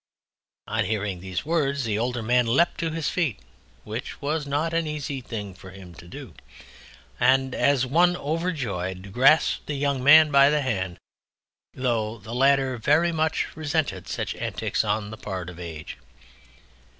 On hearing these words the Older Man leapt to his feet (which was not an easy thing for him to do) and as one overjoyed grasped the Younger Man by the hand, though the latter very much resented such antics on the part of Age.